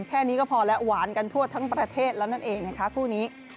แค่นี้ก็พอแล้วหวานกันทั่วทั้งประเทศแล้วนั่นเองนะคะคู่นี้